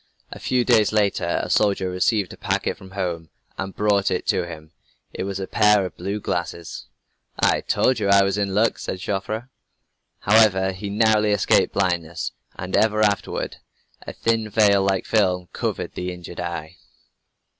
A few days later a soldier received a packet from home and brought it to him. It was a pair of blue glasses! "I told you that I was in luck," said Joffre. However, he narrowly escaped blindness, and ever afterward a thin veil like film covered the injured eye.